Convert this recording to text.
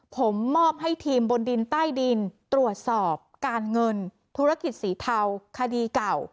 ผมมอบให้ทีมบนดินใต้ดินตรวจสอบการเงินธุรกิจสีเทาคดีเก่า